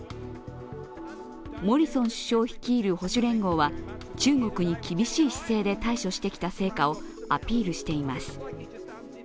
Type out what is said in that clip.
モリソン首相率いる保守連合は中国に厳しい姿勢で対処してきた成果をアピールしています。